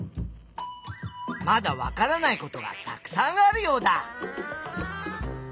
まだわからないことがたくさんあるヨウダ！